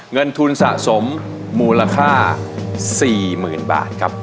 เงินทุนสะสมมูลค่า๔๐๐๐บาทครับ